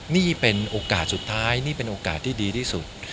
นี่เป็นโอกาสสุดท้ายนี่เป็นโอกาสที่ดีที่สุด